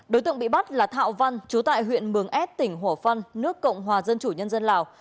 đối tượng bị bắt là thạo văn chú tại huyện mường ết tỉnh hủa phăn nước cộng hòa dân chủ nhân dân lào